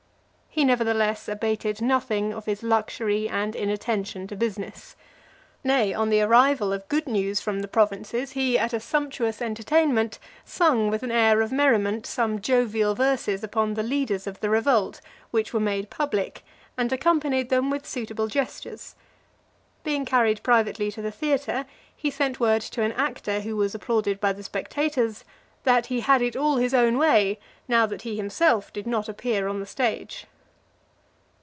He, nevertheless, abated nothing of his luxury and inattention to business. Nay, on the arrival of good news from the provinces, he, at a sumptuous entertainment, sung with an air of merriment, some jovial verses upon the leaders of the revolt, which were made public; and accompanied them with suitable gestures. Being carried privately to the theatre, he sent word to an actor who was applauded by the spectators, "that he had it all his own way, now that he himself did not appear on the stage."